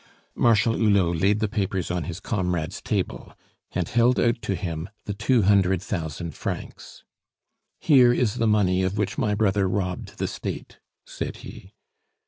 Marshal Hulot laid the papers on his comrade's table, and held out to him the two hundred thousand francs. "Here is the money of which my brother robbed the State," said he.